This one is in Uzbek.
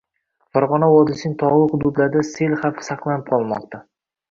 Farg‘ona vodiysining tog‘li hududlarida sel xavfi saqlanib qolmoqda